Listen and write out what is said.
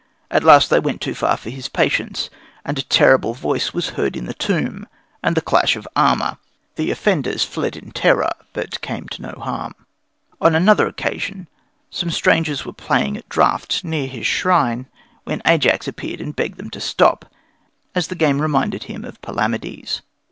At last they went too far for his patience, and a terrible voice was heard in the tomb and the clash of armour. The offenders fled in terror, but came to no harm. On another occasion some strangers were playing at draughts near his shrine, when Ajax appeared and begged them to stop, as the game reminded him of Palamedes.